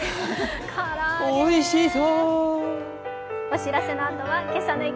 おいしそ！